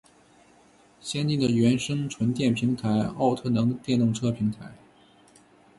先进的原生纯电平台奥特能电动车平台